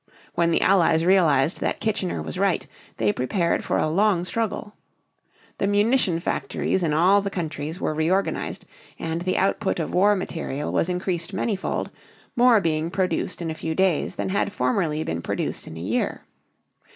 When the Allies realized that Kitchener was right, they prepared for a long struggle. The munition factories in all the countries were reorganized, and the output of war material was increased many fold, more being produced in a few days than had formerly been produced in a year.